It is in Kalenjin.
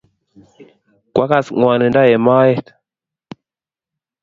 kwagas ngwanindo eng' moet